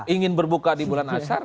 ingin berbuka di bulan azhar